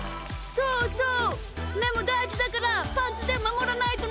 そうそう！